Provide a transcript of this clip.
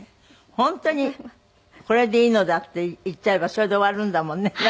本当に「これでいいのだ」って言っちゃえばそれで終わるんだもんね何が起こっていてもね。